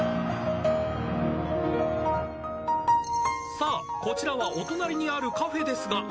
さあこちらはお隣にあるカフェですが。